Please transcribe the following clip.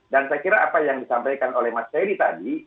dan saya kira apa yang disampaikan oleh mas ferry tadi